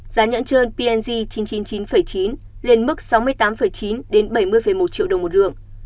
giá nhận trơn pnz chín trăm chín mươi chín chín lên mức sáu mươi tám chín bảy mươi một triệu đồng một lượng